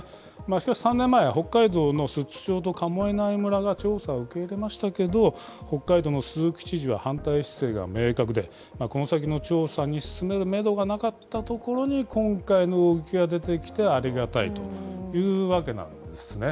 しかし、３年前、北海道の寿都町と神恵内村が調査を受け入れましたけど、北海道の鈴木知事は反対姿勢が明確で、この先の調査に進めるメドがなかったところに今回の動きが出てきてありがたいというわけなんですね。